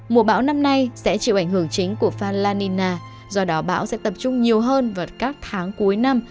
mùa bão năm nay sẽ chịu ảnh hưởng chính của pha la nina do đó bão sẽ tập trung nhiều hơn vào các tháng cuối năm